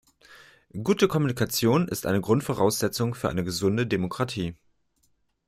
Gute Kommunikation ist eine Grundvoraussetzung für eine gesunde Demokratie.